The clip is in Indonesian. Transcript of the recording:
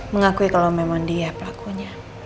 mengakui kalau memang dia pelakunya